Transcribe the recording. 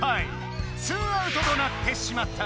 ２アウトとなってしまった！